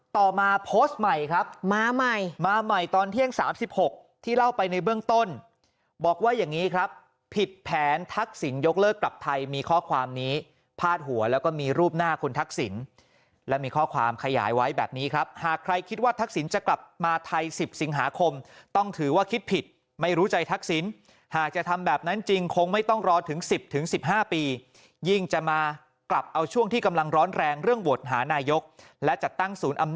ต่อมาโพสต์ใหม่ครับมาใหม่มาใหม่ตอนเที่ยง๓๖ที่เล่าไปในเบื้องต้นบอกว่าอย่างนี้ครับผิดแผนทักศิลป์ยกเลิกกลับไทยมีข้อความนี้พาดหัวแล้วก็มีรูปหน้าคุณทักศิลป์และมีข้อความขยายไว้แบบนี้ครับหากใครคิดว่าทักศิลป์จะกลับมาไทย๑๐สิงหาคมต้องถือว่าคิดผิดไม่รู้ใจทักศิลป์หากจะทำ